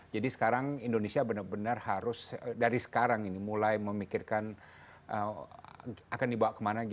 jadi sekarang indonesia benar benar harus dari sekarang ini mulai memikirkan akan dibawa kemana g dua puluh